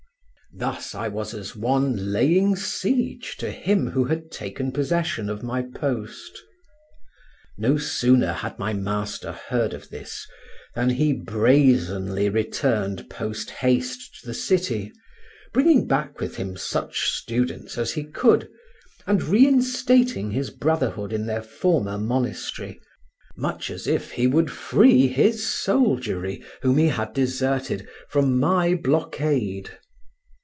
Thus I was as one laying siege to him who had taken possession of my post. No sooner had my master heard of this than he brazenly returned post haste to the city, bringing back with him such students as he could, and reinstating his brotherhood in their for mer monastery, much as if he would free his soldiery, whom he had deserted, from my blockade.